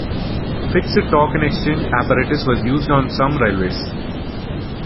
Fixed token exchange apparatus was used on some railways.